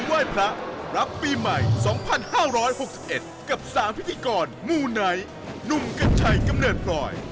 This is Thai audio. วันที่๖๑กับ๓พิธีกรหมูไนท์นุ่มกัจฉัยกำเนิดปล่อย